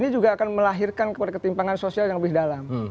ini juga akan melahirkan kepada ketimpangan sosial yang lebih dalam